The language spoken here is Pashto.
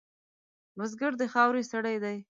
بزګر د خاورې سړی دی